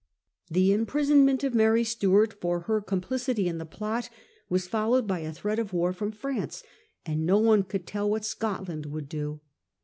The imprisonment of Mary Stuart for her complicity in the plot was followed by a threat of war from France, and no one could tell what Scotland would do.